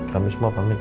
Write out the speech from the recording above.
kami semua pamit ya